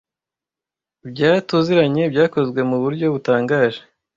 Bya tuziranye byakozwe mu buryo butangaje. "